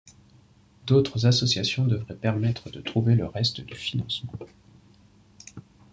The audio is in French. D'autres associations devraient permettre de trouver le reste du financement.